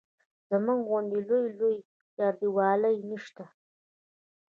زموږ غوندې لویې لویې چاردیوالۍ نه شته.